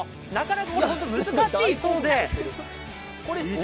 なかなか難しいそうで。